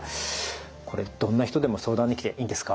これどんな人でも相談に来ていいんですか？